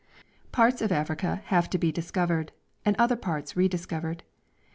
Parts of Africa have to be discovered and other parts rediscovered.